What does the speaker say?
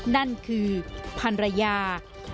นั่นคือพันรยา